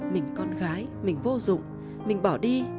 mình con gái mình vô dụng mình bỏ đi